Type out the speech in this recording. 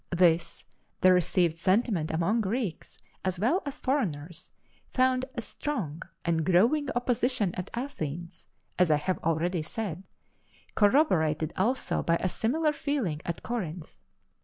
This, the received sentiment among Greeks, as well as foreigners, found a strong and growing opposition at Athens, as I have already said corroborated also by a similar feeling at Corinth.